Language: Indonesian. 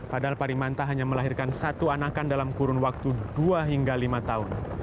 padahal parimanta hanya melahirkan satu anakan dalam kurun waktu dua hingga lima tahun